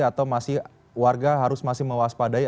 atau masih warga harus masih mewaspadai